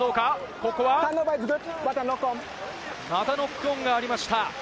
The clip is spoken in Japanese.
ここはまたノックオンがありました。